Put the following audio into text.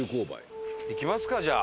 行きますかじゃあ。